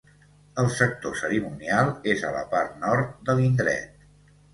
El sector cerimonial és a la part nord de l'indret.